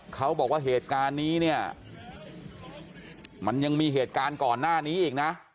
เขาบอกว่าเหตุการณ์นี้เนี่ยมันยังมีเหตุการณ์ก่อนหน้านี้อีกนะ